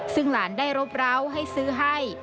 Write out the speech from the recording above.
ซึ่งหลานได้รบร้าวให้ซื้อให้